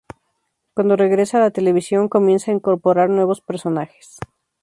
Cuando regresa a la televisión comienza a incorporar nuevos personajes.